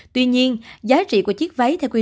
tuy nhiên giá trị của chiếc váy